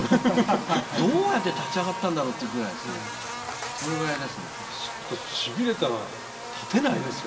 どうやって立ち上がったんだろうっていうしびれたら立てないですよ。